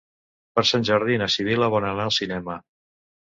Per Sant Jordi na Sibil·la vol anar al cinema.